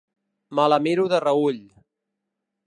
Me la miro de reüll.